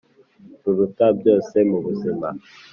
ruruta byose mu buzima